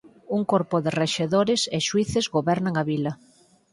Un corpo de rexedores e xuíces gobernan a vila.